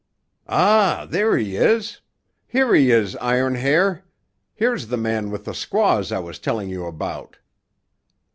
"Ah, there he is; here he is, Iron Hair. There's the man with the squaws I was telling you about."